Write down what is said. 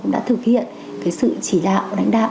đã thực hiện sự chỉ đạo đảnh đạo